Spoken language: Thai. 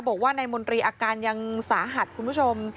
บอกว่านายมนตรีอาการยังสาหัสคุณผู้ชม